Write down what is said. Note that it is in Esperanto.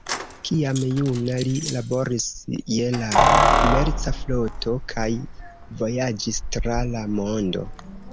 Kiam juna, li laboris je la komerca floto kaj vojaĝis tra la mondo.